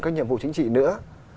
các nhiệm vụ chính trị nữa